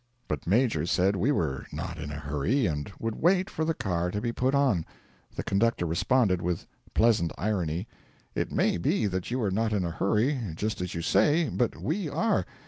But Major said we were not in a hurry, and would wait for the car to be put on. The conductor responded, with pleasant irony: 'It may be that you are not in a hurry, just as you say, but we are.